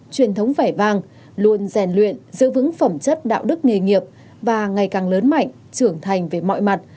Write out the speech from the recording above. truyền thống vẻ vang luôn rèn luyện giữ vững phẩm chất đạo đức nghề nghiệp và ngày càng lớn mạnh trưởng thành về mọi mặt